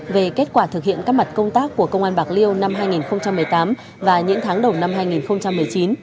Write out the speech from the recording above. về kết quả thực hiện các mặt công tác của công an bạc liêu năm hai nghìn một mươi tám và những tháng đầu năm hai nghìn một mươi chín